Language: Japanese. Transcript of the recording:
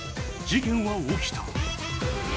事件は起きた。